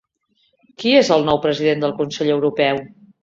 Qui és el nou president del Consell Europeu?